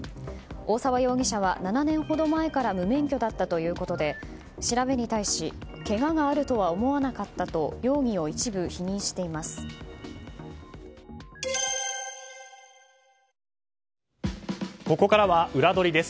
大澤容疑者は７年ほど前から無免許だったということで調べに対しけががあるとは思わなかったと容疑を一部否認しています。